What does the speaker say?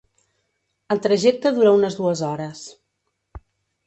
El trajecte dura unes dues hores.